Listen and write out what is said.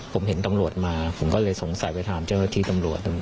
ผมเห็นตำรวจมาผมก็เลยสงสัยไปถามเจ้าหน้าที่ตำรวจ